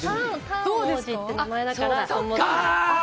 どうですか？